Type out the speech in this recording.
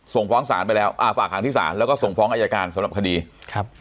ส่งฟ้องฝากหังที่ศาลแล้วก็ส่งฟ้องอัยการสำหรับคดีครับ